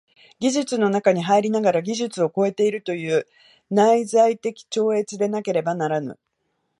技術の中に入りながら技術を超えているという内在的超越でなければならぬ。